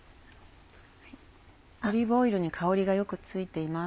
オリーブオイルに香りがよくついています。